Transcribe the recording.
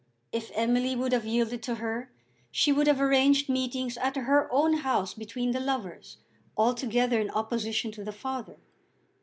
If Emily would have yielded to her she would have arranged meetings at her own house between the lovers altogether in opposition to the father.